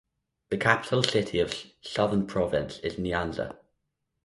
The capital city of Southern Province is Nyanza.